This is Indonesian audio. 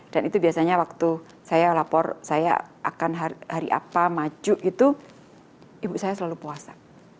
dan itu biasanya waktu saya lapor saya akan hari apa maju gitu ibu saya selalu puasa